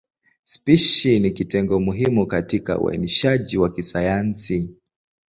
Spishi ni kitengo muhimu katika uainishaji wa kisayansi.